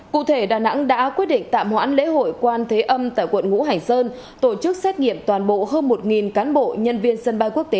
cụ thể đà nẵng đã quyết định tạm hoãn lễ hội quan thế âm tại quận ngũ hành sơn tổ chức xét nghiệm toàn bộ hơn một cán bộ nhân viên sân bay quốc tế